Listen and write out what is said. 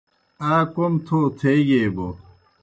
آ کوْم تھو تھیگیئی بوْ